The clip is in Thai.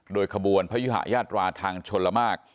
โดยขบวนพระยุหะญาติราธิ์ทางชนเรมาก